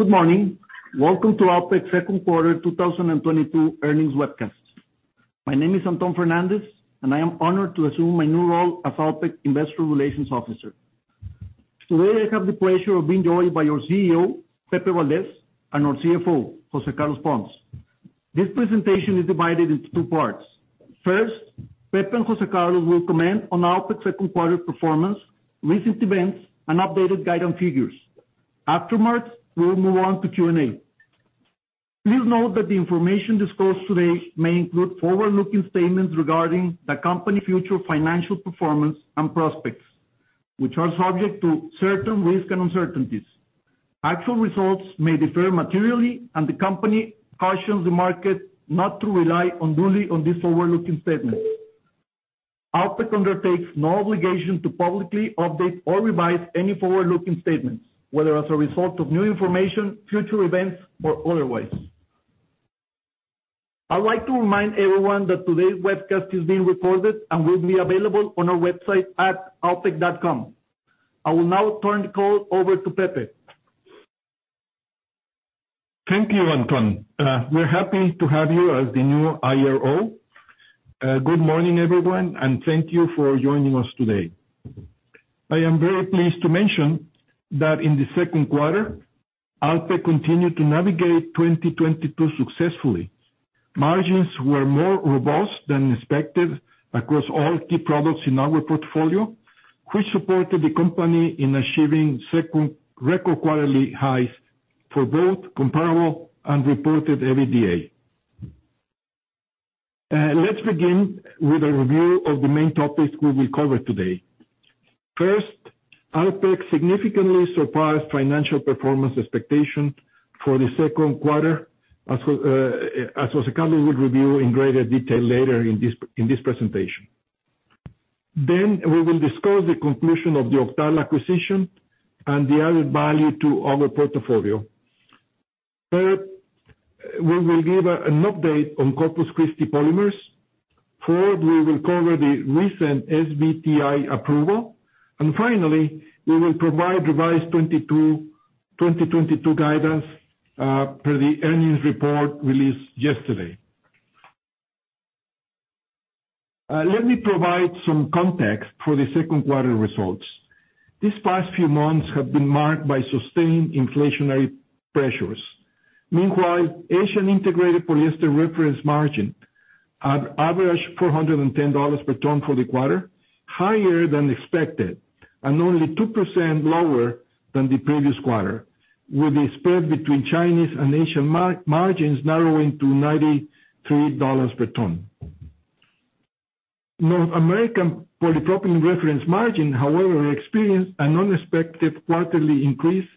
Good morning. Welcome to Alpek's Second Quarter 2022 Earnings Webcast. My name is Antón Fernández, and I am honored to assume my new role as Alpek Investor Relations Officer. Today, I have the pleasure of being joined by our CEO, Pepe Valdez, and our CFO, José Carlos Pons. This presentation is divided into two parts. First, Pepe and José Carlos will comment on Alpek's second quarter performance, recent events, and updated guidance figures. Afterwards, we'll move on to Q&A. Please note that the information discussed today may include forward-looking statements regarding the company's future financial performance and prospects, which are subject to certain risks and uncertainties. Actual results may differ materially, and the company cautions the market not to rely unduly on these forward-looking statements. Alpek undertakes no obligation to publicly update or revise any forward-looking statements, whether as a result of new information, future events, or otherwise. I'd like to remind everyone that today's webcast is being recorded and will be available on our website at alpek.com. I will now turn the call over to Pepe. Thank you, Antón. We're happy to have you as the new IRO. Good morning, everyone, and thank you for joining us today. I am very pleased to mention that in the second quarter, Alpek continued to navigate 2022 successfully. Margins were more robust than expected across all key products in our portfolio, which supported the company in achieving second record quarterly highs for both Comparable and Reported EBITDA. Let's begin with a review of the main topics we will cover today. First, Alpek significantly surpassed financial performance expectations for the second quarter, as José Carlos would review in greater detail later in this presentation. We will discuss the conclusion of the Octal acquisition and the added value to our portfolio. Third, we will give an update on Corpus Christi Polymers. Fourth, we will cover the recent SBTi approval. Finally, we will provide revised 2022 Guidance, per the earnings report released yesterday. Let me provide some context for the second quarter results. These past few months have been marked by sustained inflationary pressures. Meanwhile, Asian integrated polyester reference margin had averaged $410 per ton for the quarter, higher than expected and only 2% lower than the previous quarter, with the spread between Chinese and Asian margins narrowing to $93 per ton. North American Polypropylene reference margin, however, experienced an unexpected quarterly increase,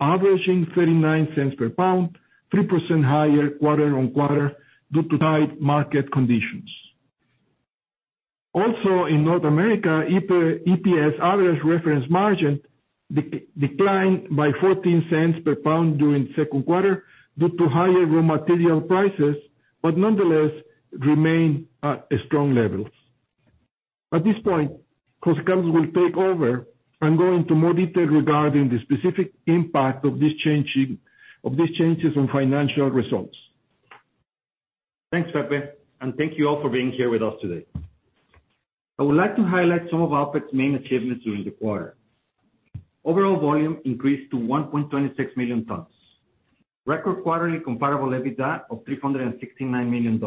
averaging $0.39 per pound, 3% higher quarter-on-quarter due to tight market conditions. Also in North America, EPS average reference margin declined by $0.14 per pound during second quarter due to higher raw material prices, but nonetheless remained at strong levels. At this point, José Carlos Pons will take over and go into more detail regarding the specific impact of these changes on financial results. Thanks, Pepe. Thank you all for being here with us today. I would like to highlight some of Alpek's main achievements during the quarter. Overall volume increased to 1.26 million tons. Record quarterly comparable EBITDA of $369 million,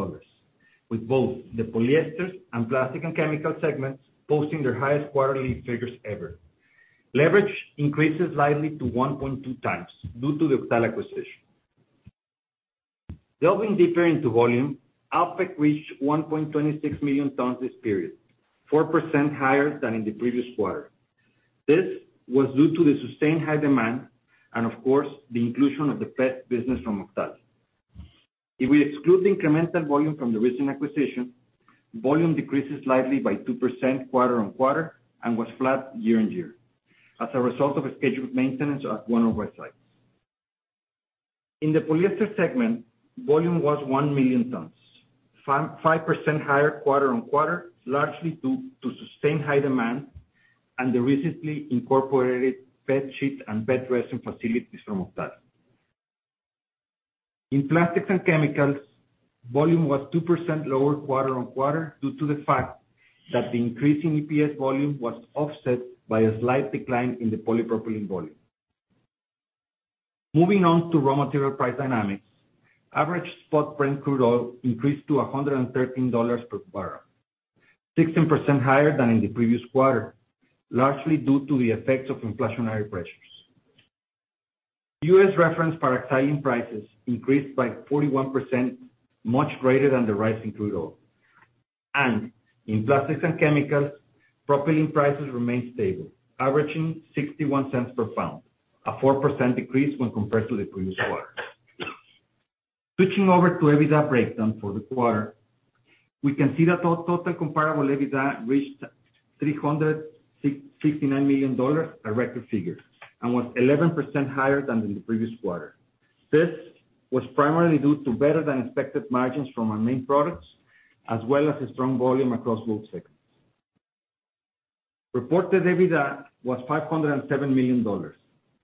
with both the polyesters and plastic and chemical segments posting their highest quarterly figures ever. Leverage increased slightly to 1.2 times due to the Octal acquisition. Delving deeper into volume, Alpek reached 1.26 million tons this period, 4% higher than in the previous quarter. This was due to the sustained high demand and of course, the inclusion of the PET business from Octal. If we exclude the incremental volume from the recent acquisition, volume decreased slightly by 2% quarter-over-quarter and was flat year-over-year as a result of a scheduled maintenance at one of our sites. In the polyester segment, volume was 1 million tons, 5% higher quarter-over-quarter, largely due to sustained high demand and the recently incorporated PET sheet and PET Resin facilities from Octal. In plastics and chemicals, volume was 2% lower quarter-over-quarter, due to the fact that the increase in EPS volume was offset by a slight decline in the Polypropylene volume. Moving on to raw material price dynamics. Average spot Brent crude oil increased to $113 per barrel, 16% higher than in the previous quarter, largely due to the effects of inflationary pressures. U.S. reference Paraxylene prices increased by 41%, much greater than the rise in crude oil. In plastics and chemicals, propylene prices remained stable, averaging $0.61 per pound, a 4% decrease when compared to the previous quarter. Switching over to EBITDA breakdown for the quarter, we can see that our total comparable EBITDA reached $369 million, a record figure, and was 11% higher than in the previous quarter. This was primarily due to better than expected margins from our main products, as well as a strong volume across both segments. Reported EBITDA was $507 million,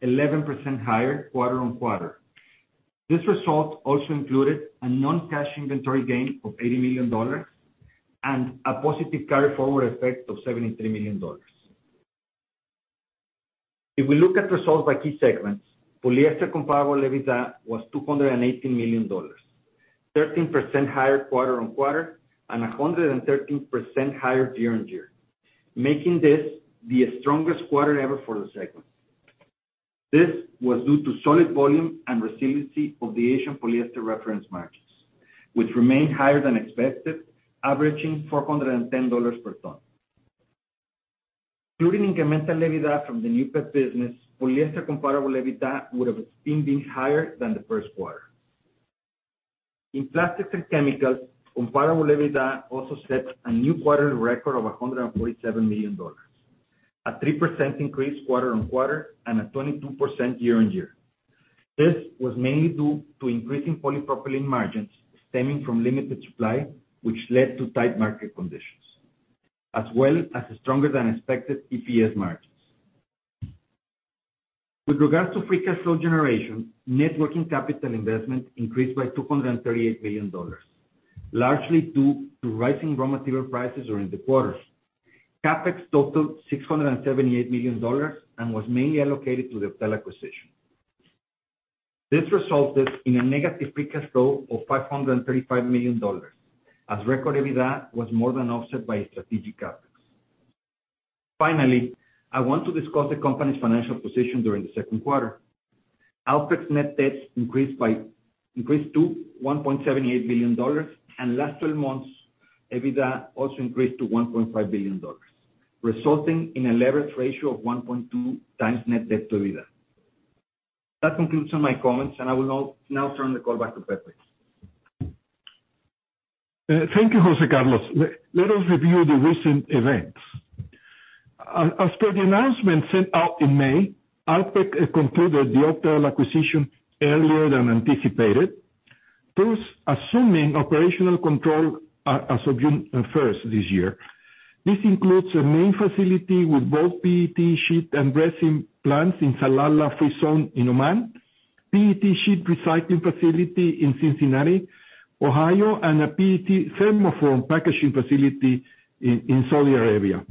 11% higher quarter-on-quarter. This result also included a non-cash inventory gain of $80 million and a positive carry forward effect of $73 million. If we look at results by key segments, polyester comparable EBITDA was $280 million, 13% higher quarter-on-quarter, and 113% higher year-on-year, making this the strongest quarter ever for the segment. This was due to solid volume and resiliency of the Asian polyester reference margins, which remained higher than expected, averaging $410 per ton. Including incremental EBITDA from the new PET business, polyester comparable EBITDA would have been higher than the first quarter. In plastics and chemicals, comparable EBITDA also set a new quarterly record of $147 million, a 3% increase quarter-on-quarter, and a 22% year-on-year. This was mainly due to increasing Polypropylene margins stemming from limited supply, which led to tight market conditions, as well as stronger than expected EPS margins. With regards to free cash flow generation, net working capital investment increased by $238 million, largely due to rising raw material prices during the quarter. CapEx totaled $678 million and was mainly allocated to the Octal acquisition. This resulted in a negative free cash flow of $535 million, as record EBITDA was more than offset by strategic CapEx. Finally, I want to discuss the company's financial position during the second quarter. Alpek's net debt increased to $1.78 billion, and last twelve months EBITDA also increased to $1.5 billion, resulting in a leverage ratio of 1.2 times net debt to EBITDA. That concludes my comments, and I will now turn the call back to Pepe. Thank you, José Carlos. Let us review the recent events. As per the announcement sent out in May, Alpek completed the Octal acquisition earlier than anticipated, thus assuming operational control as of June first this year. This includes a main facility with both PET sheet and Resin plants in Salalah Free Zone in Oman, PET sheet recycling facility in Cincinnati, Ohio, and a PET Thermoform packaging facility in Saudi Arabia.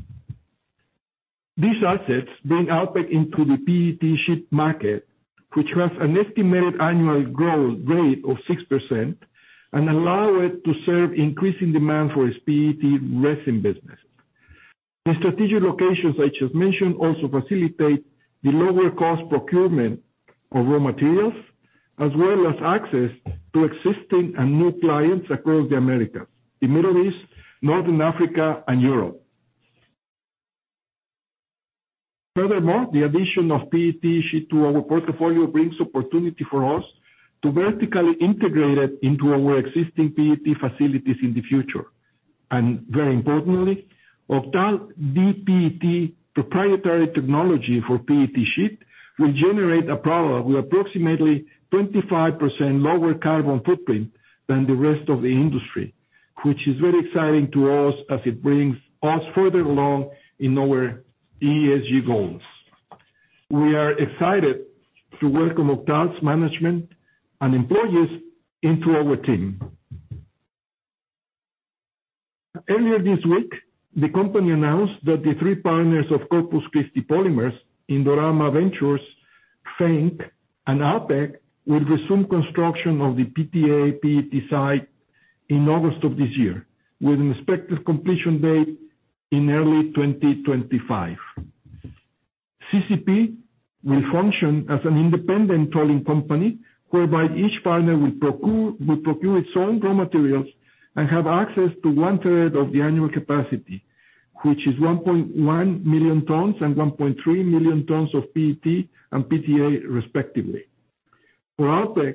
These assets bring Alpek into the PET sheet market, which has an estimated annual growth rate of 6% and allow it to serve increasing demand for its PET resin business. The strategic locations I just mentioned also facilitate the lower cost procurement of raw materials, as well as access to existing and new clients across the Americas, the Middle East, Northern Africa, and Europe. Furthermore, the addition of PET sheet to our portfolio brings opportunity for us to vertically integrate it into our existing PET facilities in the future. Very importantly, Octal DPET proprietary technology for PET sheet will generate a product with approximately 25% lower carbon footprint than the rest of the industry, which is very exciting to us as it brings us further along in our ESG goals. We are excited to welcome Octal's management and employees into our team. Earlier this week, the company announced that the three partners of Corpus Christi Polymers, Indorama Ventures, Far Eastern New Century, and Alpek, will resume construction of the PTA PET site in August of this year, with an expected completion date in early 2025. CCP will function as an independent tolling company, whereby each partner will procure its own raw materials and have access to one-third of the annual capacity, which is 1.1 million tons and 1.3 million tons of PET and PTA, respectively. For Alpek,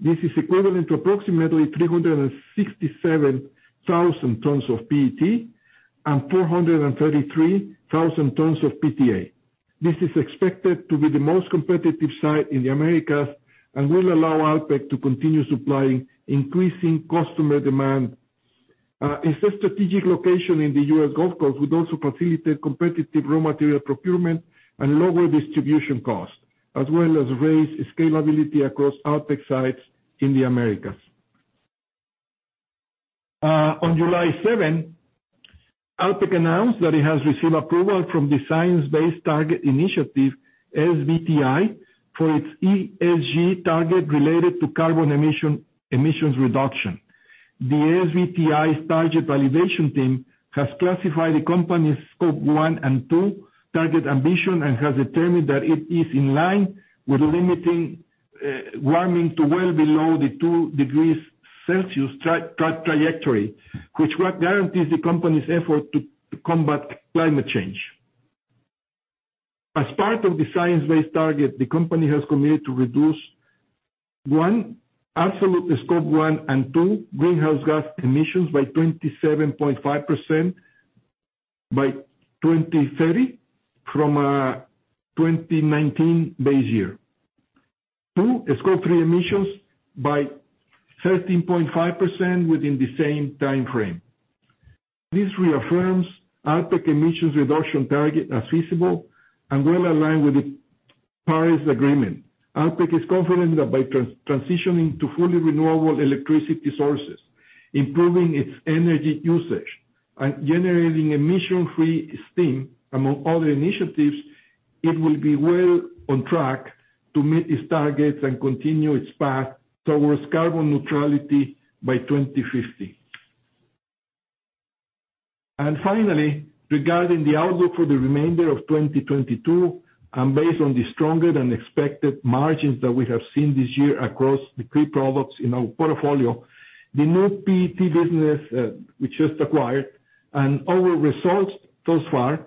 this is equivalent to approximately 367,000 tons of PET and 233,000 tons of PTA. This is expected to be the most competitive site in the Americas and will allow Alpek to continue supplying increasing customer demand. It's a strategic location in the U.S. Gulf Coast, will also facilitate competitive raw material procurement and lower distribution costs, as well as raise scalability across Alpek sites in the Americas. On July 7, Alpek announced that it has received approval from the Science Based Targets initiative, SBTi, for its ESG target related to carbon emissions reduction. The SBTi's target validation team has classified the company's Scope 1 and 2 target ambition and has determined that it is in line with limiting warming to well below the two degrees Celsius trajectory, which guarantees the company's effort to combat climate change. As part of the science-based target, the company has committed to reduce one, absolute Scope 1 and 2 greenhouse gas emissions by 27.5% by 2030 from a 2019 base year. Two, Scope 3 emissions by 13.5% within the same time frame. This reaffirms Alpek emissions reduction target are feasible and well-aligned with the Paris Agreement. Alpek is confident that by transitioning to fully renewable electricity sources, improving its energy usage, and generating emission-free steam, among other initiatives, it will be well on track to meet its targets and continue its path towards carbon neutrality by 2050. Finally, regarding the outlook for the remainder of 2022, and based on the stronger than expected margins that we have seen this year across the three products in our portfolio, the new PET business we just acquired, and our results thus far,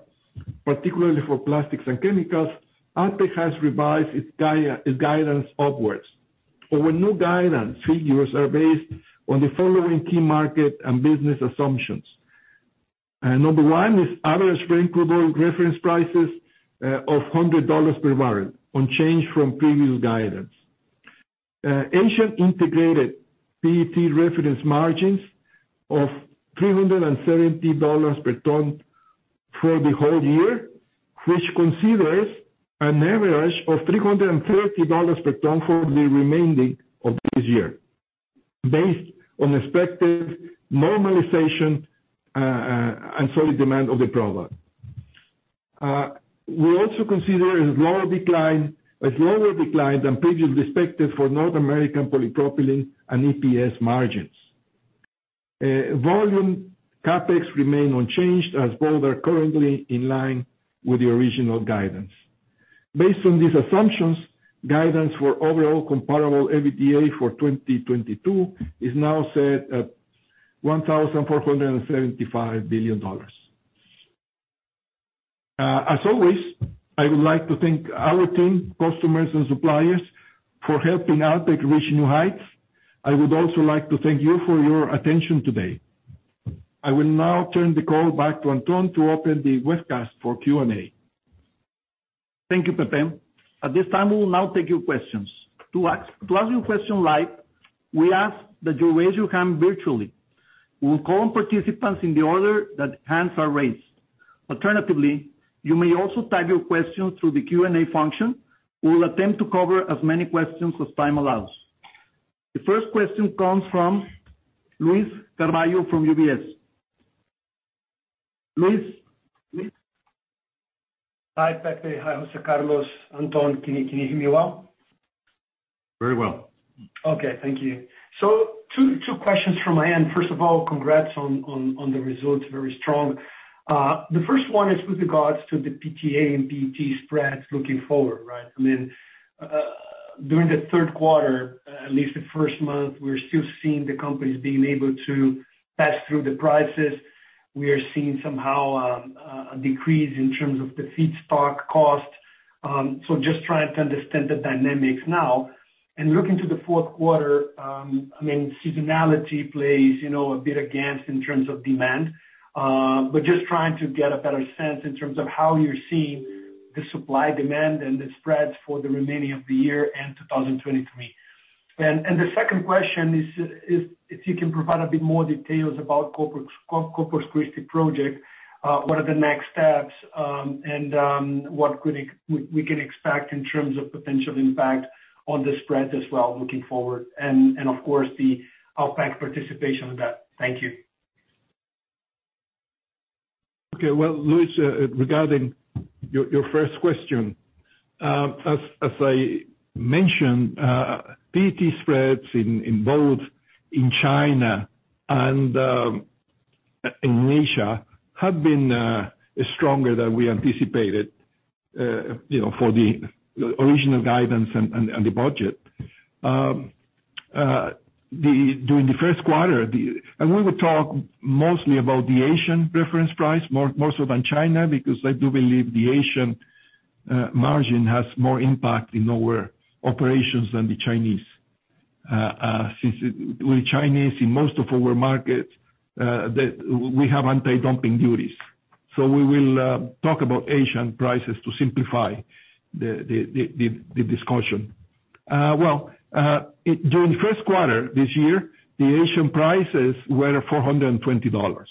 particularly for plastics and chemicals, Alpek has revised its guidance upwards. Our new guidance figures are based on the following key market and business assumptions. Number one is average Brent crude oil reference prices of $100 per barrel unchanged from previous guidance. Asian integrated PET reference margins of $370 per ton for the whole year, which considers an average of $330 per ton for the remaining of this year, based on expected normalization, and solid demand of the product. We also consider a lower decline than previously expected for North American Polypropylene and EPS margins. Volumes CapEx remain unchanged, as both are currently in line with the original guidance. Based on these assumptions, guidance for overall comparable EBITDA for 2022 is now set at $1,475 billion. As always, I would like to thank our team, customers and suppliers for helping Alpek reach new heights. I would also like to thank you for your attention today. I will now turn the call back to Antón to open the webcast for Q&A. Thank you, Pepe. At this time, we will now take your questions. To ask your question live, we ask that you raise your hand virtually. We'll call on participants in the order that hands are raised. Alternatively, you may also type your questions through the Q&A function. We will attempt to cover as many questions as time allows. The first question comes from Luiz Carvalho from UBS. Luiz? Hi, Pepe. Hi, José Carlos. Antón, can you hear me well? Very well. Okay, thank you. Two questions from my end. First of all, congrats on the results, very strong. The first one is with regards to the PTA and PET spreads looking forward, right? I mean, during the third quarter, at least the first month, we're still seeing the companies being able to pass through the prices. We are seeing somehow a decrease in terms of the feedstock cost. Just trying to understand the dynamics now. Looking to the fourth quarter, I mean, seasonality plays, you know, a bit against in terms of demand. Just trying to get a better sense in terms of how you're seeing the supply-demand and the spreads for the remaining of the year and 2023. The second question is if you can provide a bit more details about Corpus Christi project, what are the next steps, and what we can expect in terms of potential impact on the spread as well looking forward, and of course the Alpek participation in that. Thank you. Okay. Well, Luiz, regarding your first question. As I mentioned, PET spreads in both China and in Asia have been stronger than we anticipated, you know, for the original guidance and the budget. We will talk mostly about the Asian reference price, more so than China, because I do believe the Asian margin has more impact in our operations than the Chinese. Since with Chinese, in most of our markets, we have anti-dumping duties. We will talk about Asian prices to simplify the discussion. Well, during the first quarter this year, the Asian prices were $420.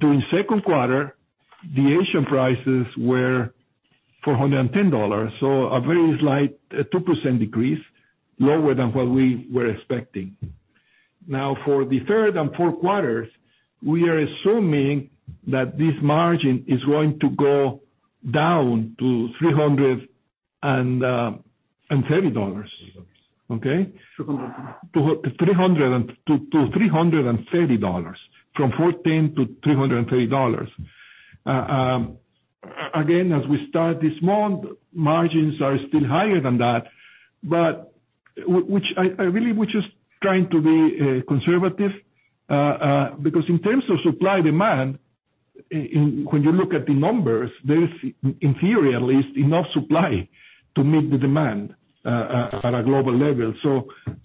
During second quarter, the Asian prices were $410, so a very slight 2% decrease, lower than what we were expecting. Now, for the third and fourth quarters, we are assuming that this margin is going to go down to $330. Okay? 300. To $330. From $14-$330. Again, as we start this month, margins are still higher than that, but we're just trying to be conservative. Because in terms of supply and demand, when you look at the numbers, there is, in theory at least, enough supply to meet the demand at a global level.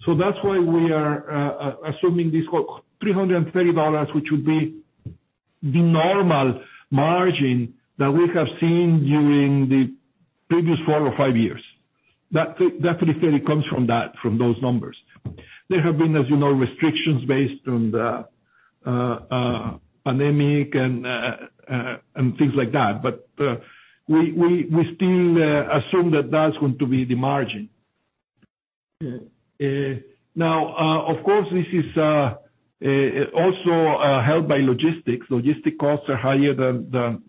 That's why we are assuming this $330, which would be the normal margin that we have seen during the previous four or five years. That pretty fairly comes from that, from those numbers. There have been, as you know, restrictions based on the pandemic and things like that. We still assume that that's going to be the margin. Now, of course, this is also helped by logistics. Logistics costs are higher than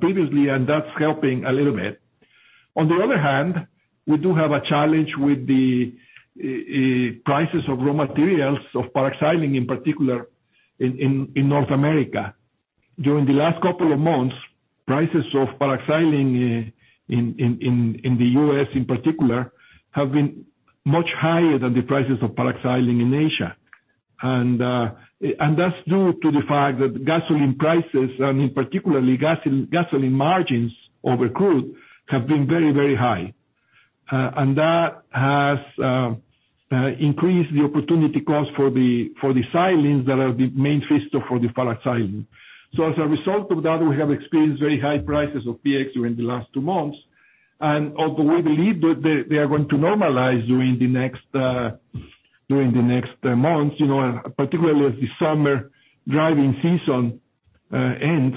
previously, and that's helping a little bit. On the other hand, we do have a challenge with the prices of raw materials, of Paraxylene in particular, in North America. During the last couple of months, prices of Paraxylene in the U.S. in particular, have been much higher than the prices of Paraxylene in Asia. That's due to the fact that gasoline prices, and in particular gasoline margins over crude, have been very high. That has increased the opportunity cost for the xylenes that are the main feedstock for the Paraxylene. As a result of that, we have experienced very high prices of PX during the last two months. Although we believe that they are going to normalize during the next months, you know, and particularly as the summer driving season ends,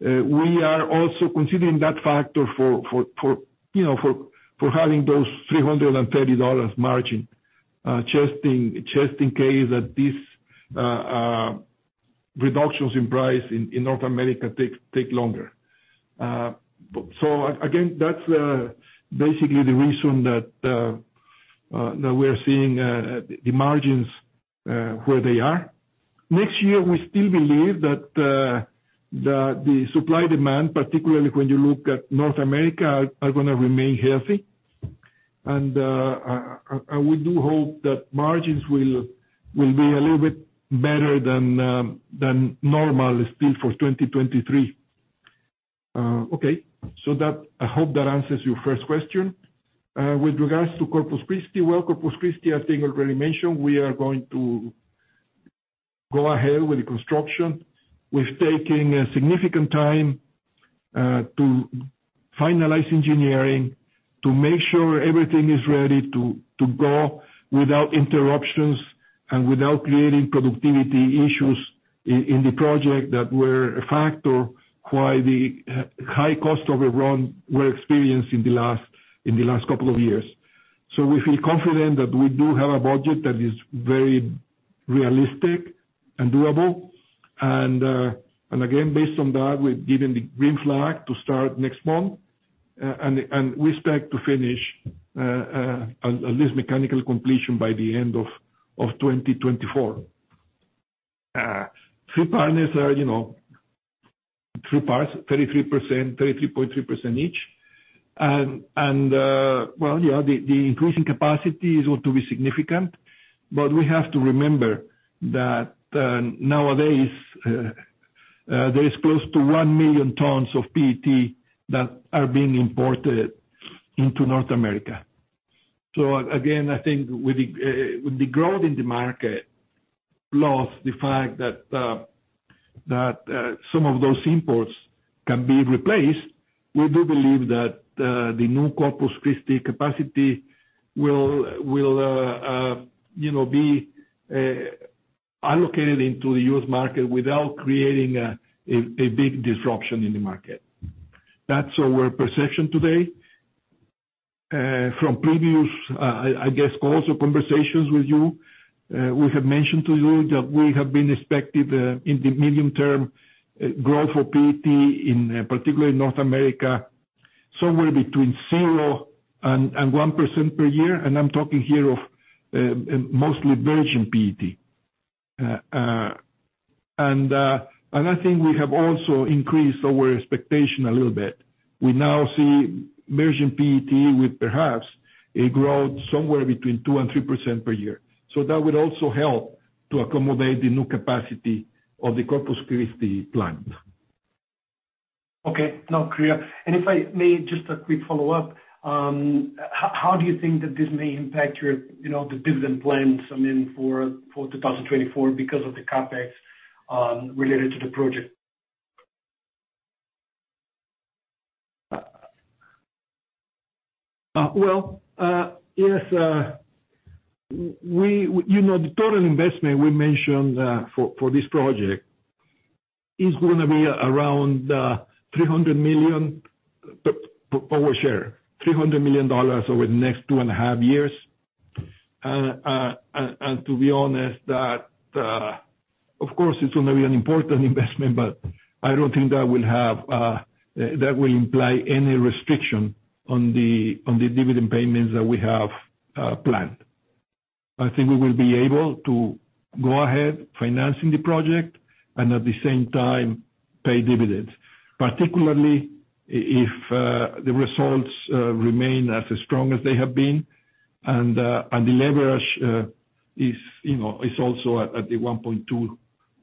we are also considering that factor for having those $330 margin, just in case that these reductions in price in North America take longer. Again, that's basically the reason that we're seeing the margins where they are. Next year, we still believe that the supply-demand, particularly when you look at North America, are gonna remain healthy. We do hope that margins will be a little bit better than normal still for 2023. Okay, I hope that answers your first question. With regards to Corpus Christi. Well, Corpus Christi, I think I already mentioned, we are going to go ahead with the construction. We're taking a significant time to finalize engineering, to make sure everything is ready to go without interruptions and without creating productivity issues in the project that were a factor why the high cost overrun were experienced in the last couple of years. We feel confident that we do have a budget that is very realistic and doable. Again, based on that, we're given the green flag to start next month. We expect to finish at least mechanical completion by the end of 2024. Three partners are, you know, three parts, 33%, 33.3% each. Well, yeah, the increase in capacity is going to be significant, but we have to remember that nowadays there is close to 1 million tons of PET that are being imported into North America. So again, I think with the growth in the market, plus the fact that some of those imports can be replaced, we do believe that the new Corpus Christi capacity will, you know, be allocated into the U.S. market without creating a big disruption in the market. That's our perception today. From previous, I guess, calls or conversations with you, we have mentioned to you that we have been expecting, in the medium term, growth for PET in, particularly North America, somewhere between 0% and 1% per year. I'm talking here of, mostly virgin PET. I think we have also increased our expectation a little bit. We now see virgin PET with perhaps a growth somewhere between 2% and 3% per year. That would also help to accommodate the new capacity of the Corpus Christi plant. Okay. No, clear. If I may, just a quick follow-up. How do you think that this may impact your, you know, the dividend plans, I mean, for 2024 because of the CapEx related to the project? You know, the total investment we mentioned for this project is gonna be around $300 million over the next two and a half years. To be honest, that of course it's gonna be an important investment, but I don't think that will imply any restriction on the dividend payments that we have planned. I think we will be able to go ahead financing the project, and at the same time, pay dividends, particularly if the results remain as strong as they have been. The leverage is, you know, also at the 1.2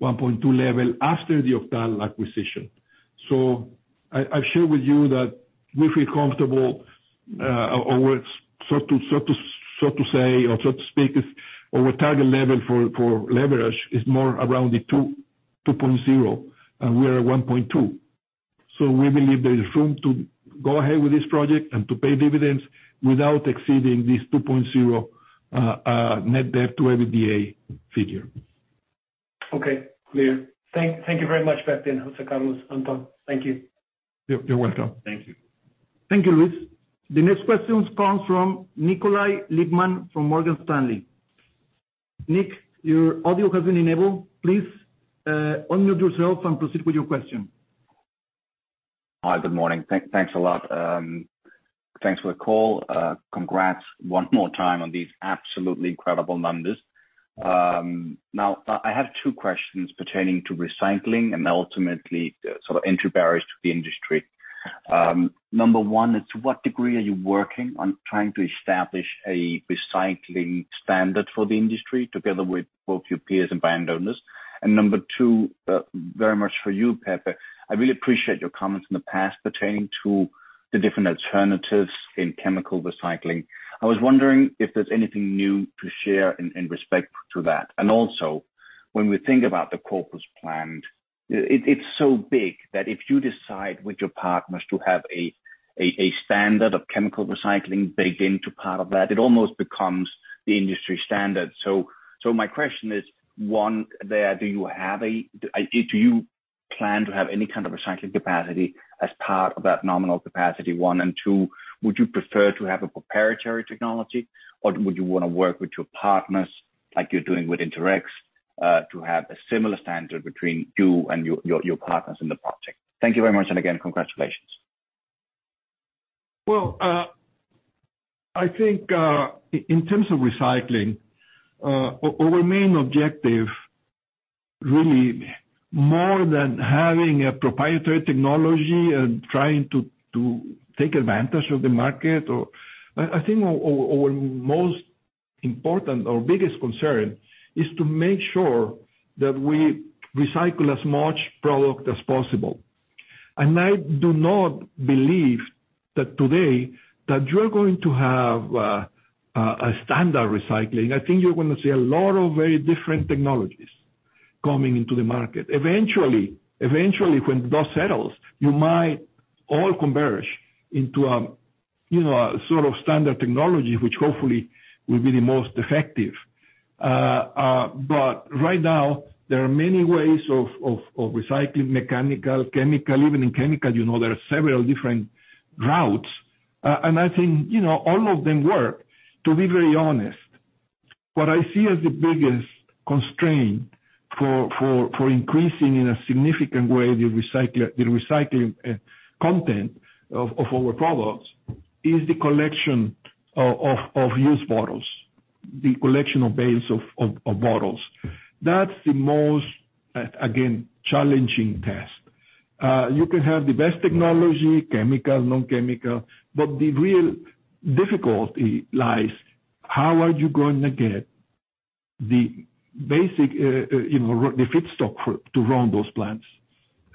level after the Octal acquisition. I share with you that we feel comfortable. Our so to say or so to speak target level for leverage is more around the 2.0, and we are at 1.2. We believe there is room to go ahead with this project and to pay dividends without exceeding this 2.0 net debt to EBITDA figure. Okay, clear. Thank you very much, Pepe, José Carlos, Antón. Thank you. You're welcome. Thank you. Thank you, Luiz. The next question comes from Nikolaj Lippmann from Morgan Stanley. Nick, your audio has been enabled. Please, unmute yourself and proceed with your question. Hi, good morning. Thanks a lot. Thanks for the call. Congrats one more time on these absolutely incredible numbers. Now, I have two questions pertaining to recycling and ultimately the sort of entry barriers to the industry. Number one, to what degree are you working on trying to establish a recycling standard for the industry together with both your peers and brand owners? Number two, very much for you, Pepe, I really appreciate your comments in the past pertaining to the different alternatives in chemical recycling. I was wondering if there's anything new to share in respect to that. Also, when we think about the Corpus plant, it's so big that if you decide with your partners to have a standard of chemical recycling baked into part of that, it almost becomes the industry standard. My question is, one, do you plan to have any kind of recycling capacity as part of that nominal capacity. Two, would you prefer to have a proprietary technology, or would you wanna work with your partners, like you're doing with Indorama, to have a similar standard between you and your partners in the project? Thank you very much, and again, congratulations. Well, I think in terms of recycling, our main objective, really more than having a proprietary technology and trying to take advantage of the market, or I think our most important, our biggest concern is to make sure that we recycle as much product as possible. I do not believe that today that you're going to have a standard recycling. I think you're gonna see a lot of very different technologies coming into the market. Eventually, when the dust settles, you might all converge into, you know, a sort of standard technology, which hopefully will be the most effective. But right now, there are many ways of recycling mechanical, chemical. Even in chemical, you know, there are several different routes. I think, you know, all of them work, to be very honest. What I see as the biggest constraint for increasing in a significant way the recycling content of our products is the collection of used bottles, the collection of bales of bottles. That's the most challenging task. You can have the best technology, chemical, non-chemical, but the real difficulty lies how are you going to get the basic, you know, the feedstock to run those plants.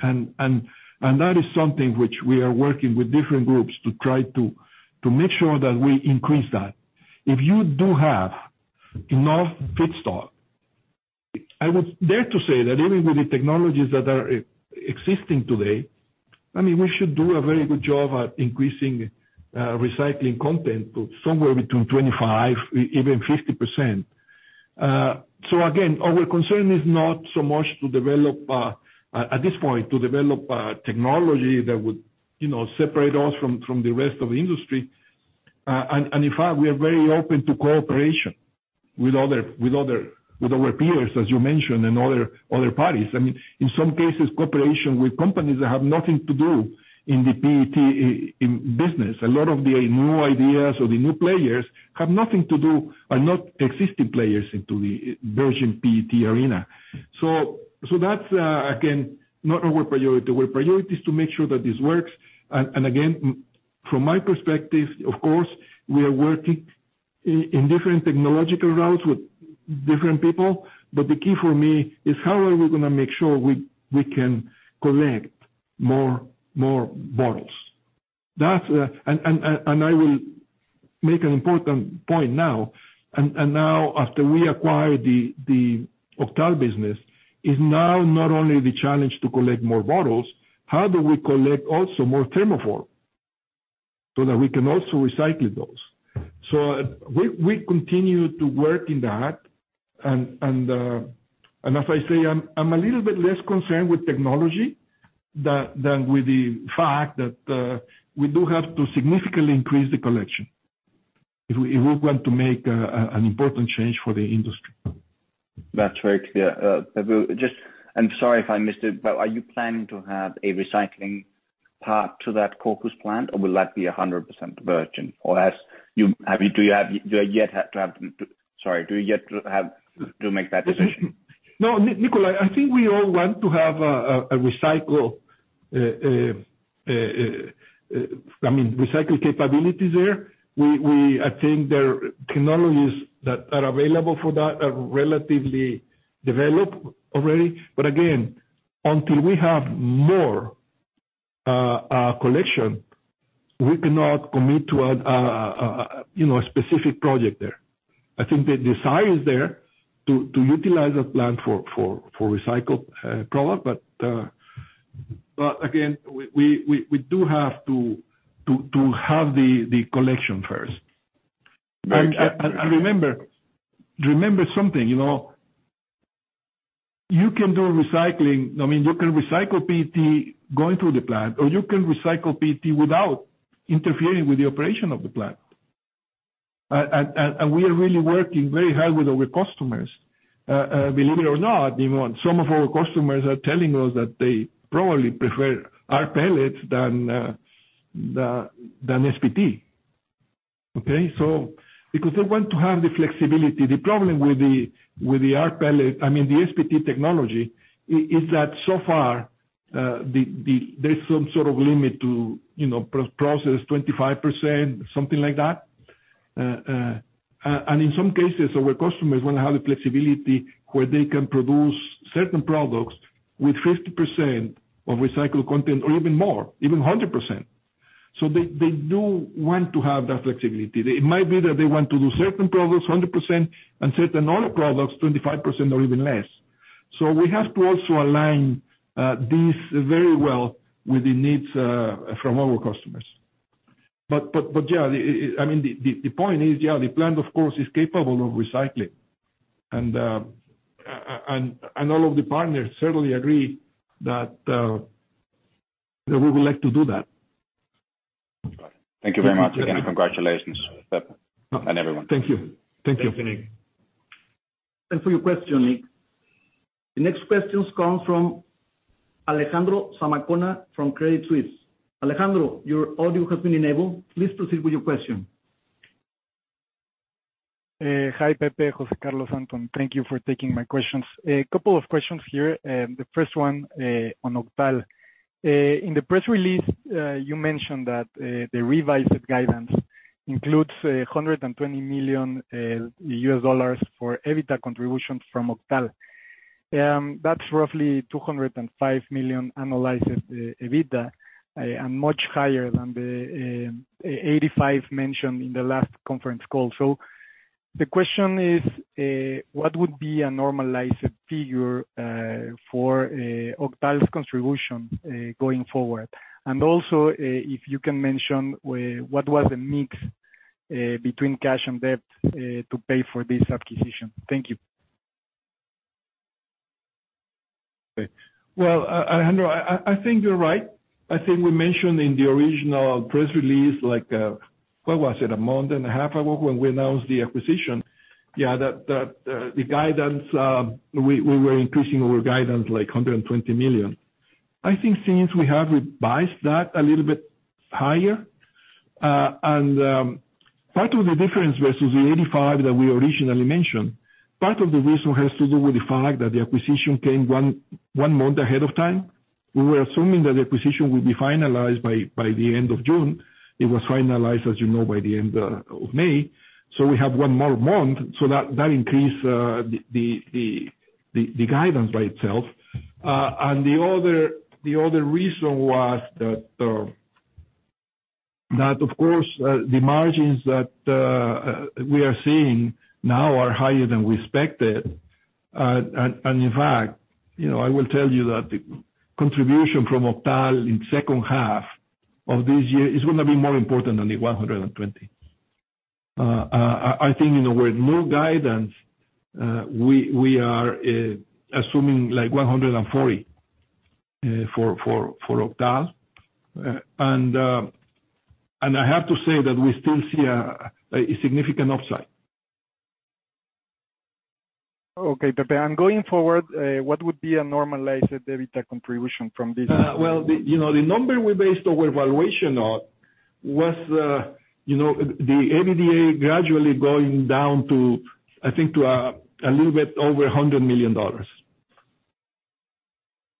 That is something which we are working with different groups to try to make sure that we increase that. If you do have enough feedstock, I would dare to say that even with the technologies that are existing today, I mean, we should do a very good job at increasing recycling content to somewhere between 25%-50%. Again, our concern is not so much, at this point, to develop a technology that would, you know, separate us from the rest of the industry. In fact, we are very open to cooperation with other, with our peers, as you mentioned, and other parties. I mean, in some cases, cooperation with companies that have nothing to do in the PET in business. A lot of the new ideas or the new players have nothing to do, are not existing players into the virgin PET arena. That's again not our priority. Our priority is to make sure that this works. From my perspective, of course, we are working in different technological routes with different people. The key for me is how are we gonna make sure we can collect more bottles. That's. I will make an important point now. Now after we acquire the Octal business, it is now not only the challenge to collect more bottles, how do we collect also more Thermoform, so that we can also recycle those? We continue to work in that. As I say, I'm a little bit less concerned with technology than with the fact that we do have to significantly increase the collection if we want to make an important change for the industry. That's very clear. I'm sorry if I missed it, but are you planning to have a recycling part to that Corpus plant, or will that be 100% virgin? Or, do you yet have to make that decision? No, Nikolaj, I think we all want to have recycled capabilities there. I think there are technologies that are available for that are relatively developed already. But again, until we have more collection, we cannot commit to, you know, a specific project there. I think the desire is there to utilize a plant for recycled product. But again, we do have to have the collection first. Remember something, you know, you can do recycling. I mean, you can recycle PET going through the plant, or you can recycle PET without interfering with the operation of the plant. We are really working very hard with our customers. Believe it or not, you know, some of our customers are telling us that they probably prefer our pellets than SPT. Okay. Because they want to have the flexibility. The problem with rpellet , I mean, the SPT technology is that so far, there's some sort of limit to, you know, process 25%, something like that. In some cases our customers wanna have the flexibility where they can produce certain products with 50% of recycled content or even more, even 100%. They do want to have that flexibility. It might be that they want to do certain products 100% and certain other products 25% or even less. We have to also align this very well with the needs from our customers. Yeah. I mean, the point is, yeah, the plant of course is capable of recycling and all of the partners certainly agree that we would like to do that. Thank you very much. Again, congratulations, Pepe and everyone. Thank you. Thank you. Thanks for your question, Nick. The next question comes from Alejandro Zamacona from Credit Suisse. Alejandro, your audio has been enabled. Please proceed with your question. Hi, Pepe, José Carlos, Antón. Thank you for taking my questions. A couple of questions here. The first one on Octal. In the press release, you mentioned that the revised guidance includes $120 million for EBITDA contributions from Octal. That's roughly $205 million annualized EBITDA and much higher than the $85 million mentioned in the last conference call. The question is, what would be a normalized figure for Octal's contribution going forward? And also, if you can mention what was the mix between cash and debt to pay for this acquisition. Thank you. Well, Alejandro, I think you're right. I think we mentioned in the original press release, like, what was it, a month and a half ago when we announced the acquisition? Yeah, that the guidance we were increasing our guidance like $120 million. I think since we have revised that a little bit higher. Part of the difference versus the $85 million that we originally mentioned, part of the reason has to do with the fact that the acquisition came one month ahead of time. We were assuming that the acquisition would be finalized by the end of June. It was finalized, as you know, by the end of May. We have one more month. That increase the guidance by itself. The other reason was that of course the margins that we are seeing now are higher than we expected. In fact, you know, I will tell you that the contribution from Octal in second half of this year is gonna be more important than the $120. I think in other words, no guidance, we are assuming like $140 for Octal. I have to say that we still see a significant upside. Okay, Pepe. Going forward, what would be a normalized EBITDA contribution from this- Well, you know, the number we based our valuation on was, you know, the EBITDA gradually going down to, I think, a little bit over $100 million.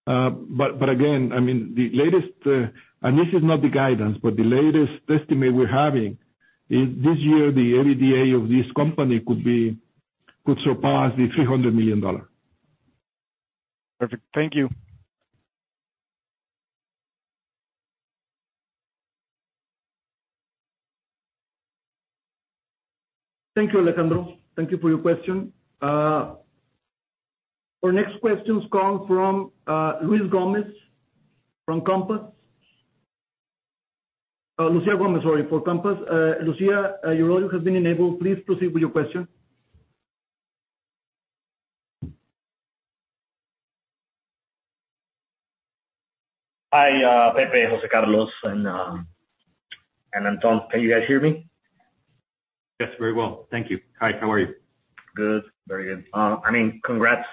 Again, I mean, the latest, and this is not the guidance, but the latest estimate we're having is this year, the EBITDA of this company could surpass $300 million. Perfect. Thank you. Thank you, Alejandro. Thank you for your question. Our next question comes from Luisa Gomez, from Compass. Luisa Gomez, sorry, from Compass. Luisa, your audio has been enabled. Please proceed with your question. Hi, Pepe, José Carlos, and Antón. Can you guys hear me? Yes, very well. Thank you. Hi, how are you? Good. Very good. I mean, congrats,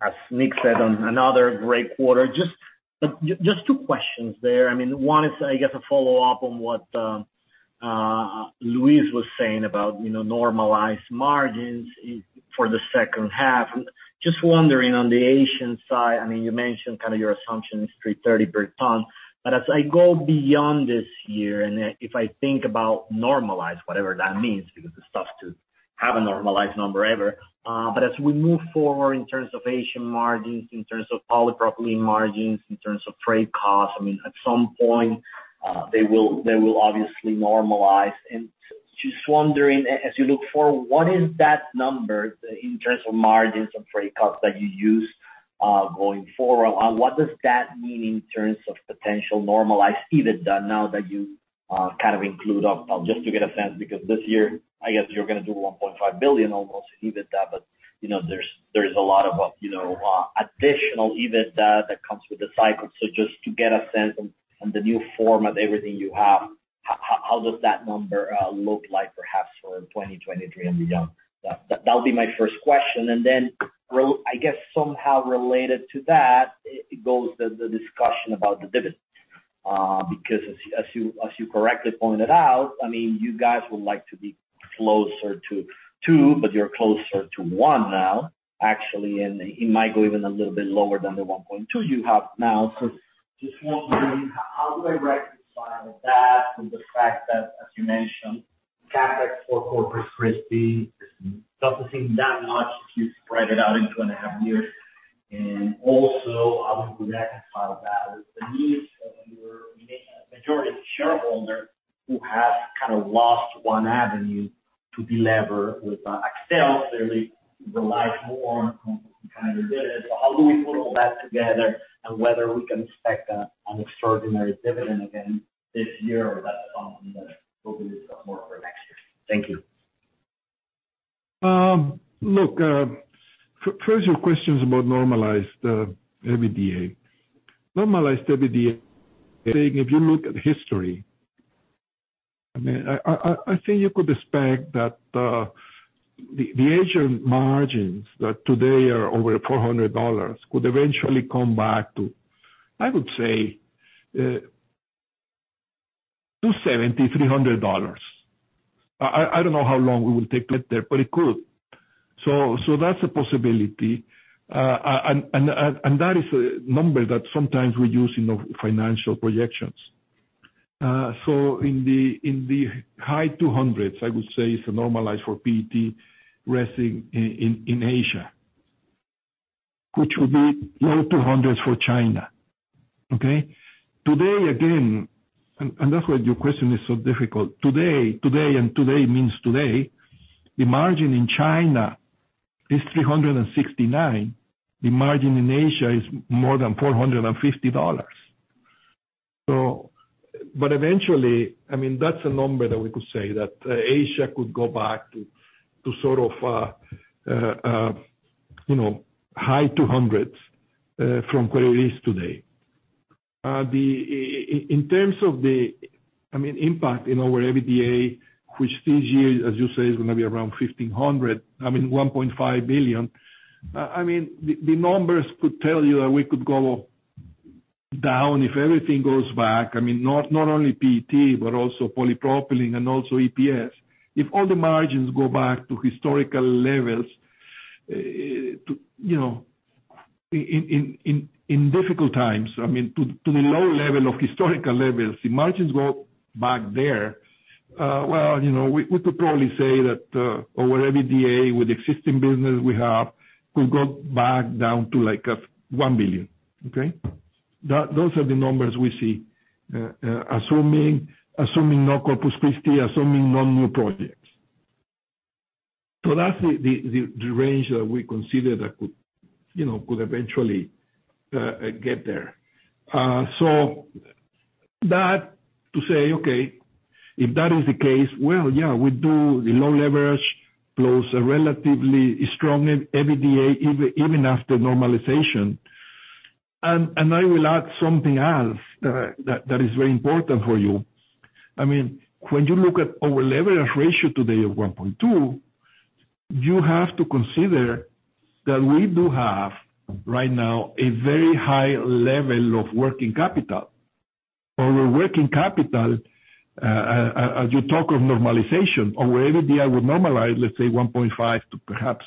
as Nick said, on another great quarter. Just two questions there. I mean, one is I guess, a follow up on what, Luiz was saying about, you know, normalized margins for the second half. Just wondering on the Asian side, I mean, you mentioned kind of your assumption is $330 per ton. But as I go beyond this year, and if I think about normalized, whatever that means, because it's tough to have a normalized number ever. But as we move forward in terms of Asian margins, in terms of Polypropylene margins, in terms of freight costs, I mean, at some point, they will obviously normalize. Just wondering, as you look forward, what is that number in terms of margins and freight costs that you use, going forward? What does that mean in terms of potential normalized EBITDA now that you kind of include? Just to get a sense, because this year, I guess you're gonna do almost $1.5 billion EBITDA, but you know, there's a lot of additional EBITDA that comes with the cycle. So just to get a sense on the new form of everything you have, how does that number look like perhaps for 2023 and beyond? That'll be my first question. Then I guess somehow related to that, it goes to the discussion about the dividends. Because as you correctly pointed out, I mean, you guys would like to be closer to two, but you're closer to one now, actually, and it might go even a little bit lower than the 1.2 you have now. Just wondering how do I reconcile that with the fact that, as you mentioned, CapEx for Corpus Christi doesn't seem that much if you spread it out in two and half years. Also, how we reconcile that with the needs of your majority shareholder who has kind of lost one avenue to delever with Axtel, clearly relies more on kind of dividends. How do we put all that together and whether we can expect an extraordinary dividend again this year or that's something that will be more for next year? Thank you. First your questions about normalized EBITDA. Normalized EBITDA, if you look at history, I mean, I think you could expect that the Asian margins that today are over $400 could eventually come back to, I would say, $270, $300. I don't know how long it will take to get there, but it could. So that's a possibility. And that is a number that sometimes we use in our financial projections. So in the high $200s, I would say it's normalized for PET resin in Asia, which would be low $200s for China. Okay? Today, again, and that's why your question is so difficult. Today, and today means today, the margin in China is $369. The margin in Asia is more than $450. Eventually, I mean, that's a number that we could say that Asia could go back to sort of, you know, high two hundreds from where it is today. In terms of the impact in our EBITDA, which this year, as you say, is gonna be around 1,500, I mean, $1.5 billion. The numbers could tell you that we could go down if everything goes back. I mean, not only PET, but also Polypropylene and also EPS. If all the margins go back to historical levels, you know, in difficult times, I mean, to the low level of historical levels, the margins go back there, well, you know, we could probably say that our EBITDA with existing business we have could go back down to like $1 billion. Okay. Those are the numbers we see, assuming no Corpus Christi, assuming no new projects. That's the range that we consider that could, you know, eventually get there. So, that is to say, okay, if that is the case, well, yeah, we do the low leverage plus a relatively strong EBITDA even after normalization. I will add something else that is very important for you. I mean, when you look at our leverage ratio today of 1.2, you have to consider that we do have right now a very high level of working capital. Our working capital, as you talk of normalization, our EBITDA would normalize, let's say 1.5 to perhaps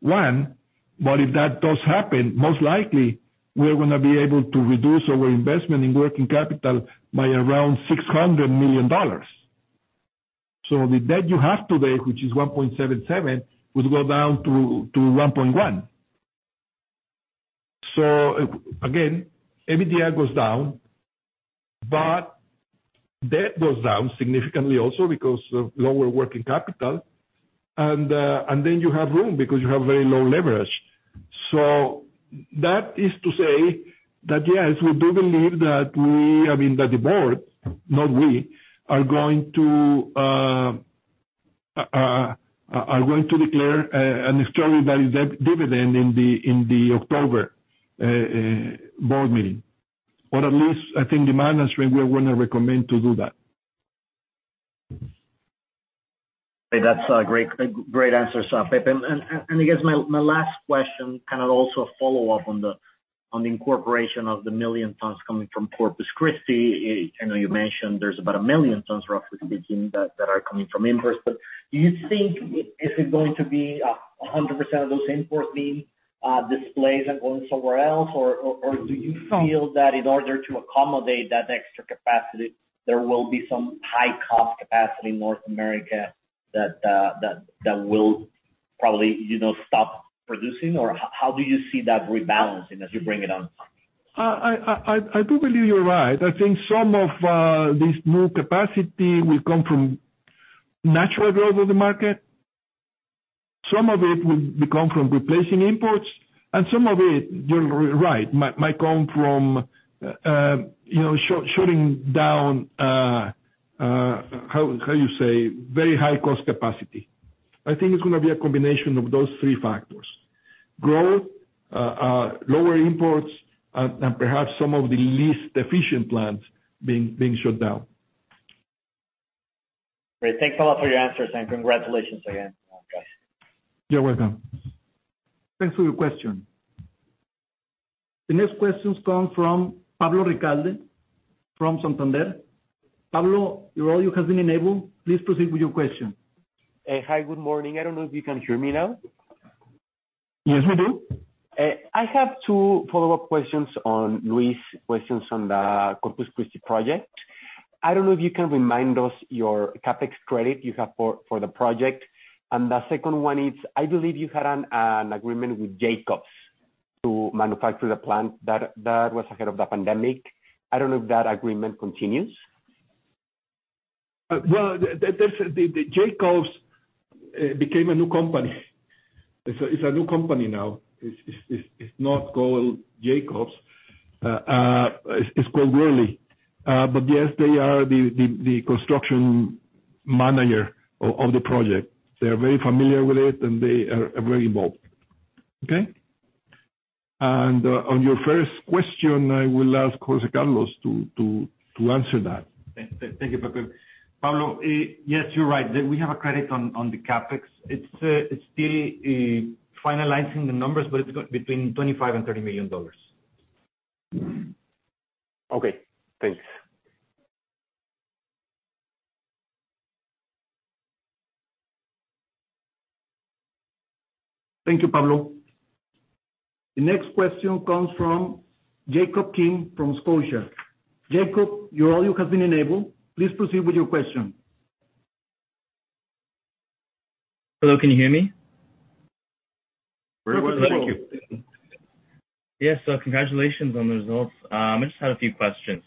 1. If that does happen, most likely we're gonna be able to reduce our investment in working capital by around $600 million. The debt you have today, which is 1.77, would go down to one point one. Again, EBITDA goes down, but debt goes down significantly also because of lower working capital. Then you have room because you have very low leverage. That is to say that, yes, we do believe that we, I mean, that the board, not we, are going to declare an extraordinary dividend in the October board meeting. At least I think the management, we're gonna recommend to do that. That's a great answer, Pepe. I guess my last question, kind of also a follow-up on the incorporation of the 1 million tons coming from Corpus Christi. I know you mentioned there's about 1 million tons roughly speaking that are coming from imports. But do you think is it going to be 100% of those imports being displaced and going somewhere else? Or do you feel that in order to accommodate that extra capacity, there will be some high cost capacity in North America that will probably, you know, stop producing? Or how do you see that rebalancing as you bring it on top? I do believe you're right. I think some of this new capacity will come from natural growth of the market. Some of it will come from replacing imports, and some of it, you're right, might come from, you know, shutting down, how you say, very high cost capacity. I think it's gonna be a combination of those three factors. Growth, lower imports and perhaps some of the least efficient plants being shut down. Great. Thanks a lot for your answers, and congratulations again. You're welcome. Thanks for your question. The next questions come from Pablo Ricalde from Santander. Pablo, your audio has been enabled. Please proceed with your question. Hi, good morning. I don't know if you can hear me now. Yes, we do. I have two follow-up questions on Luiz's questions on the Corpus Christi project. I don't know if you can remind us your CapEx credit you have for the project. The second one is, I believe you had an agreement with Jacobs to manufacture the plant that was ahead of the pandemic. I don't know if that agreement continues. Well, the Jacobs became a new company. It's a new company now. It's not called Jacobs. It's called Worley. But yes, they are the construction manager of the project. They're very familiar with it, and they are very involved. Okay. On your first question, I will ask José Carlos to answer that. Thank you, Pepe. Pablo, yes, you're right. We have a credit on the CapEx. It's still finalizing the numbers, but it's going to be between $25 million and $30 million. Okay, thanks. Thank you, Pablo. The next question comes from Jacob Kim from Scotiabank. Jacob, your audio has been enabled. Please proceed with your question. Hello, can you hear me? Very well. Thank you. Yes, congratulations on the results. I just had a few questions.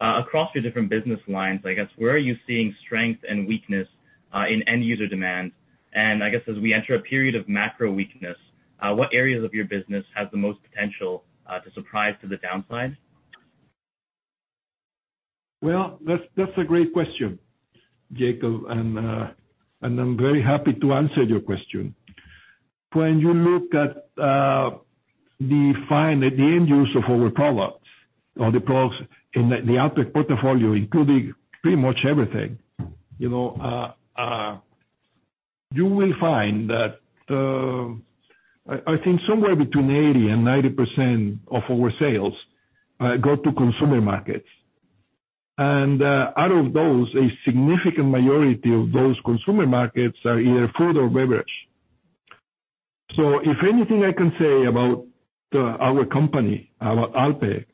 Across your different business lines, I guess, where are you seeing strength and weakness in end user demand? I guess as we enter a period of macro weakness, what areas of your business has the most potential to surprise to the downside? Well, that's a great question, Jacob. I'm very happy to answer your question. When you look at the final end use of our products or the products in the Alpek portfolio, including pretty much everything, you know, you will find that I think somewhere between 80%-90% of our sales go to consumer markets. Out of those, a significant majority of those consumer markets are either food or beverage. If anything I can say about our company, about Alpek,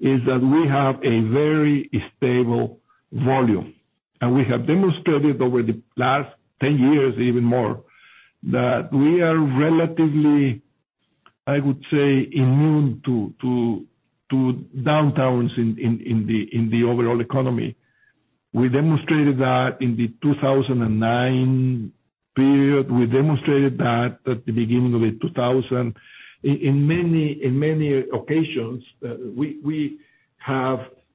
is that we have a very stable volume, and we have demonstrated over the last 10 years even more that we are relatively, I would say, immune to downturns in the overall economy. We demonstrated that in the 2009 period. We demonstrated that at the beginning of 2000. In many occasions,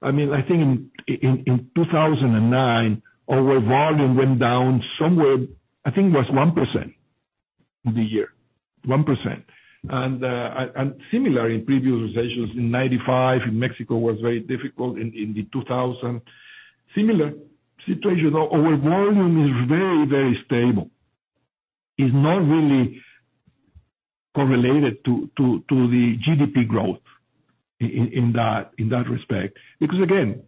I mean, I think in 2009, our volume went down somewhere, I think it was 1% for the year. Similar in previous recessions, in 1995 in Mexico was very difficult, in 2000, similar situation. Our volume is very stable. It's not really correlated to the GDP growth in that respect, because again,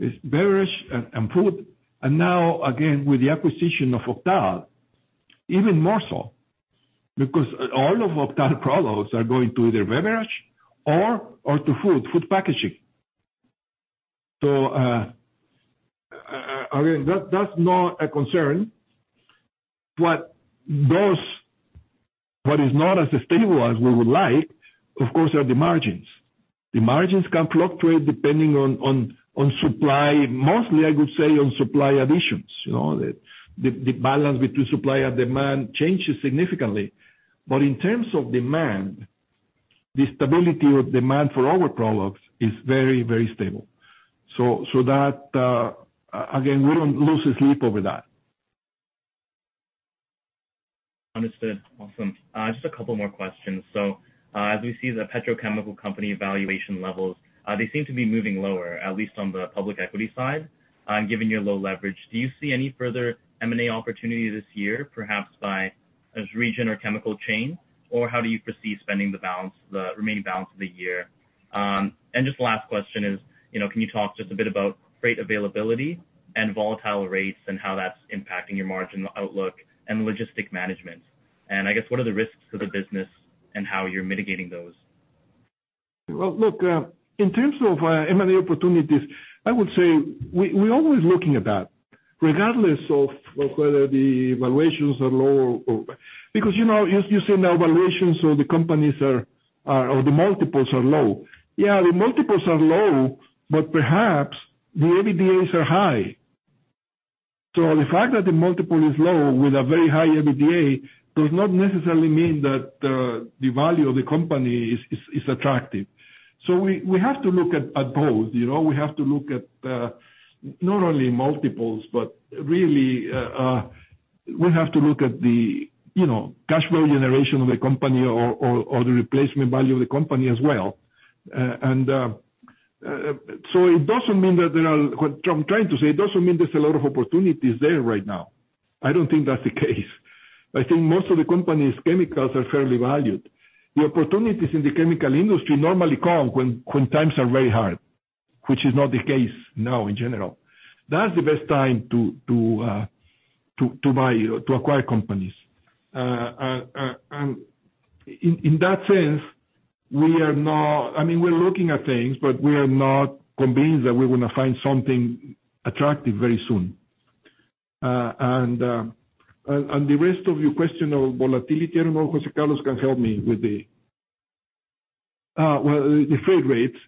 it's beverage and food. Now again, with the acquisition of Octal, even more so, because all of Octal products are going to either beverage or to food packaging. Again, that's not a concern. What is not as stable as we would like, of course, are the margins. The margins can fluctuate depending on supply, mostly, I would say, on supply additions. You know, the balance between supply and demand changes significantly. In terms of demand, the stability of demand for our products is very, very stable. That, again, we don't lose sleep over that. Understood. Awesome. Just a couple more questions. As we see the petrochemical company valuation levels, they seem to be moving lower, at least on the public equity side, given your low leverage. Do you see any further M&A opportunity this year, perhaps by region or chemical chain? Or how do you foresee spending the remaining balance of the year? Just last question is, you know, can you talk just a bit about freight availability and volatile rates and how that's impacting your margin outlook and logistics management? I guess, what are the risks to the business and how you're mitigating those? Well, look, in terms of M&A opportunities, I would say we're always looking at that regardless of whether the valuations are low or. You know, you say now valuations or the companies are or the multiples are low. Yeah, the multiples are low, but perhaps the EBITDAs are high. The fact that the multiple is low with a very high EBITDA does not necessarily mean that the value of the company is attractive. We have to look at both, you know. We have to look at not only multiples, but really we have to look at the you know cash flow generation of the company or the replacement value of the company as well. It doesn't mean that there are. What I'm trying to say, it doesn't mean there's a lot of opportunities there right now. I don't think that's the case. I think most of the company's chemicals are fairly valued. The opportunities in the chemical industry normally come when times are very hard, which is not the case now in general. That's the best time to buy or to acquire companies. In that sense, we are not. I mean, we're looking at things, but we are not convinced that we're gonna find something attractive very soon. The rest of your question of volatility, I don't know, José Carlos can help me with the, well, the freight rates.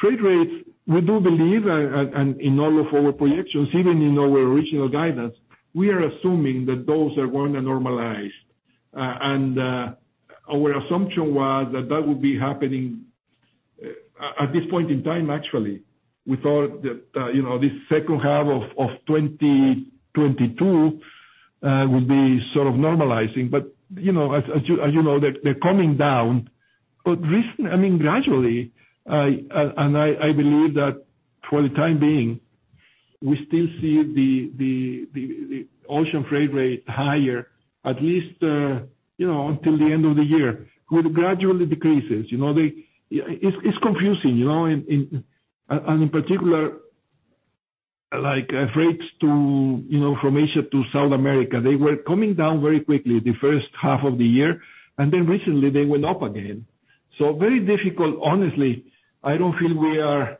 Freight rates, we do believe, and in all of our projections, even in our original guidance, we are assuming that those are gonna normalize. Our assumption was that that would be happening at this point in time, actually. We thought that, you know, this second half of 2022 would be sort of normalizing. You know, as you know, they're coming down, but recently, I mean, gradually. I believe that for the time being, we still see the ocean freight rate higher, at least, you know, until the end of the year. It gradually decreases. You know, it's confusing, you know. In particular, like freights to, you know, from Asia to South America, they were coming down very quickly the first half of the year, and then recently they went up again. Very difficult. Honestly, I don't feel we are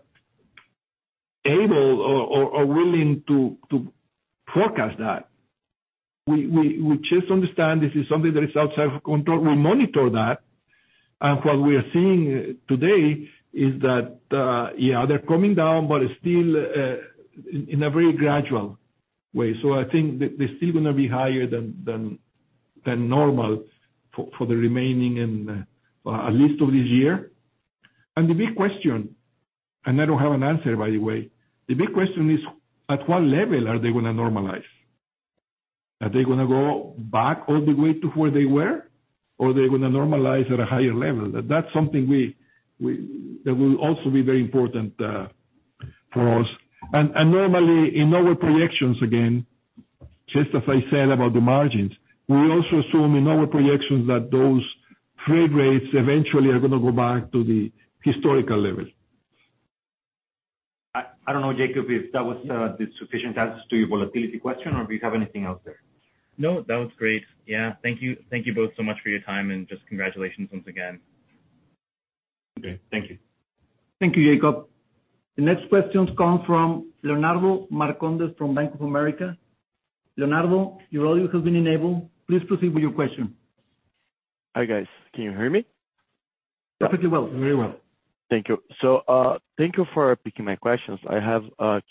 able or willing to forecast that. Just understand this is something that is outside of our control. We monitor that. What we are seeing today is that, they're coming down, but still, in a very gradual way. I think they're still gonna be higher than normal for the remaining, and at least of this year. The big question, and I don't have an answer, by the way, the big question is, at what level are they gonna normalize? Are they gonna go back all the way to where they were, or they're gonna normalize at a higher level? That will also be very important for us. Normally, in our projections again, just as I said about the margins, we also assume in our projections that those freight rates eventually are gonna go back to the historical level. I don't know, Ben Isaacson, if that was the sufficient answer to your volatility question or if you have anything else there. No, that was great. Yeah. Thank you. Thank you both so much for your time, and just congratulations once again. Okay. Thank you. Thank you, Ben. The next questions come from Leonardo Marcondes from Bank of America. Leonardo, your audio has been enabled. Please proceed with your question. Hi, guys. Can you hear me? Yeah. Perfectly well. Very well. Thank you. Thank you for taking my questions. I have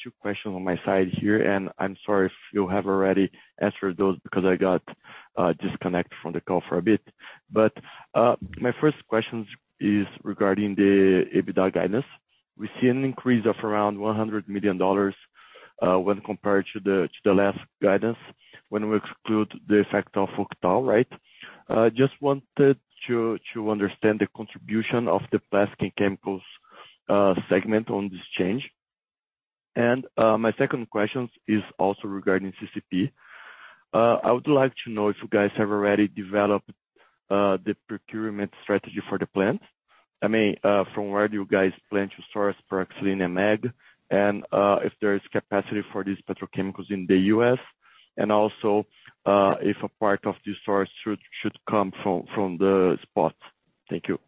two questions on my side here, and I'm sorry if you have already answered those because I got disconnected from the call for a bit. My first question is regarding the EBITDA guidance. We see an increase of around $100 million when compared to the last guidance when we exclude the effect of Octal, right? Just wanted to understand the contribution of the plastics and chemicals segment on this change. My second question is also regarding CCP. I would like to know if you guys have already developed the procurement strategy for the plant. I mean, from where do you guys plan to source Paraxylene and MEG, and if there is capacity for these petrochemicals in the U.S., and also if a part of the source should come from the spot. Thank you.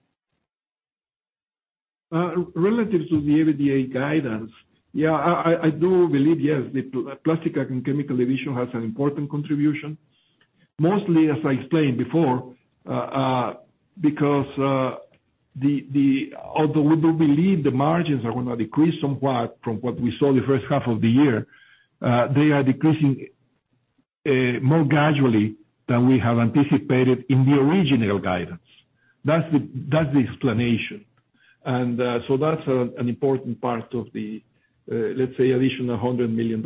Relative to the EBITDA guidance, yeah, I do believe, yes, the plastic and chemical division has an important contribution. Mostly, as I explained before, because. Although we do believe the margins are gonna decrease somewhat from what we saw the first half of the year, they are decreasing more gradually than we have anticipated in the original guidance. That's the explanation. So that's an important part of the, let's say additional $100 million.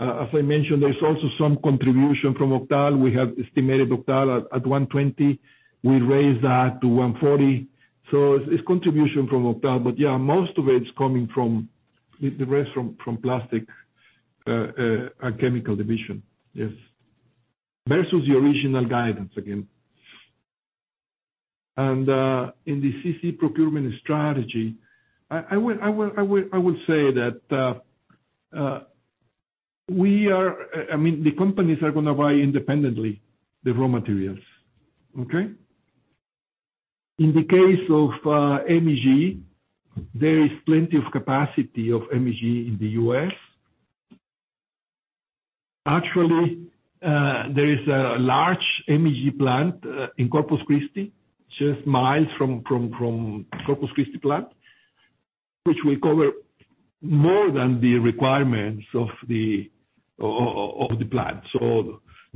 As I mentioned, there's also some contribution from Octal. We have estimated Octal at 120, we raised that to 140. So it's contribution from Octal. But yeah, most of it is coming from the rest from plastic our chemical division. Yes. Versus the original guidance again. In the CC procurement strategy, I will say that I mean the companies are gonna buy independently the raw materials. Okay? In the case of MEG, there is plenty of capacity of MEG in the U.S. Actually, there is a large MEG plant in Corpus Christi, just miles from Corpus Christi plant, which will cover more than the requirements of the plant.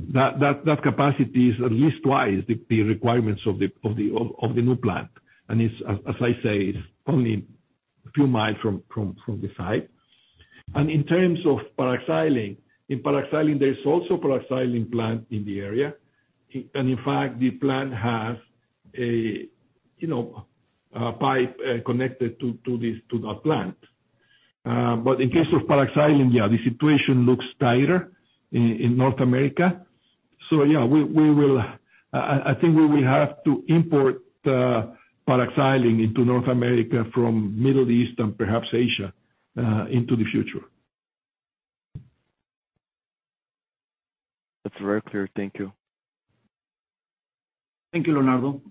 That capacity is at least twice the requirements of the new plant. It's, as I say, it's only a few miles from the site. In terms of Paraxylene, there's also Paraxylene plant in the area. In fact, the plant has a, you know, a pipe connected to that plant. In case of Paraxylene, yeah, the situation looks tighter in North America. Yeah, we will have to import Paraxylene into North America from Middle East and perhaps Asia into the future. That's very clear. Thank you. Thank you, Leonardo.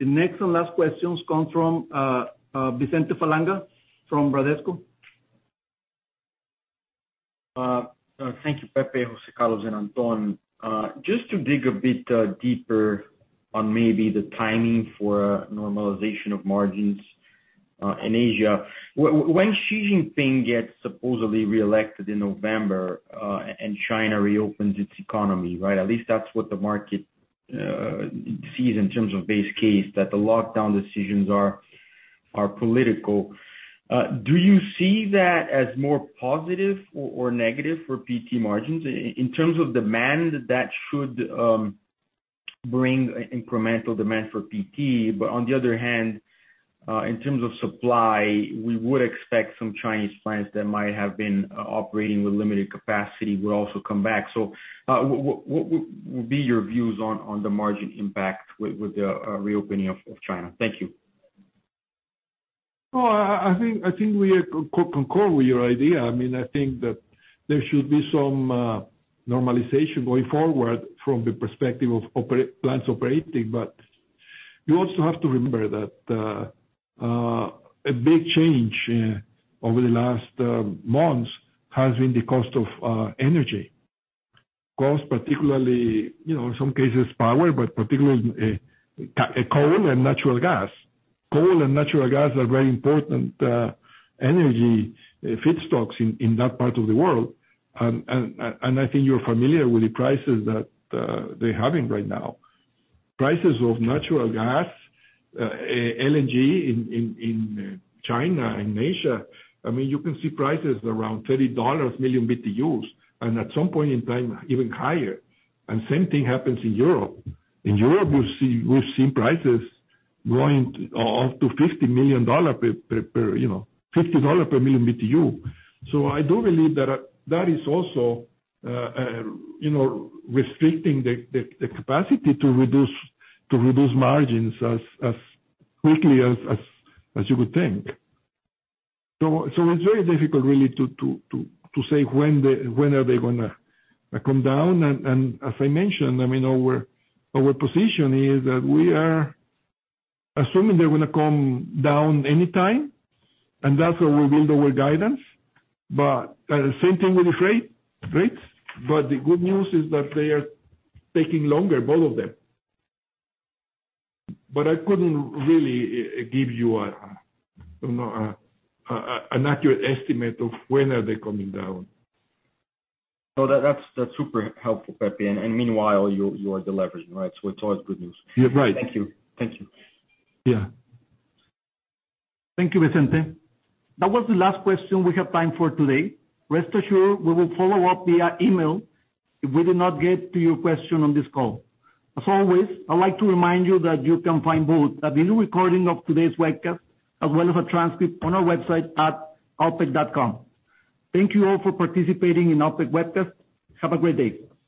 The next and last questions come from Vicente Falanga from Bradesco. Thank you Pepe, José Carlos and Antón. Just to dig a bit deeper on maybe the timing for normalization of margins in Asia. When Xi Jinping gets supposedly reelected in November, and China reopens its economy, right? At least that's what the market sees in terms of base case, that the lockdown decisions are political. Do you see that as more positive or negative for PTA margins in terms of demand that should bring incremental demand for PTA. But on the other hand, in terms of supply, we would expect some Chinese plants that might have been operating with limited capacity would also come back. What would be your views on the margin impact with the reopening of China? Thank you. I think we concur with your idea. I mean, I think that there should be some normalization going forward from the perspective of plants operating. But you also have to remember that a big change over the last months has been the cost of energy. Cost, particularly, you know, in some cases power, but particularly, coal and natural gas. Coal and natural gas are very important energy feedstocks in that part of the world. I think you're familiar with the prices that they're having right now. Prices of natural gas, LNG in China, in Asia. I mean, you can see prices around $30 million BTU, and at some point in time, even higher. Same thing happens in Europe. In Europe, we've seen prices going up to $50 per million BTU. I do believe that is also, you know, restricting the capacity to reduce margins as quickly as you would think. It's very difficult really to say when they are gonna come down. As I mentioned, I mean, our position is that we are assuming they're gonna come down any time, and that's where we build our guidance. Same thing with the spreads. The good news is that they are taking longer, both of them. I couldn't really give you know, an accurate estimate of when they are coming down. No, that's super helpful, Pepe. Meanwhile, you are deleveraging, right? It's always good news. You're right. Thank you. Thank you. Yeah. Thank you, Vicente. That was the last question we have time for today. Rest assured, we will follow up via email if we did not get to your question on this call. As always, I'd like to remind you that you can find both a video recording of today's webcast as well as a transcript on our website at alpek.com. Thank you all for participating in Alpek webcast. Have a great day.